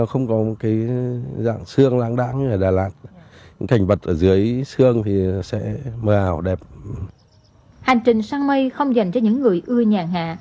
hành trình săn mây không dành cho những người ưa nhà hạ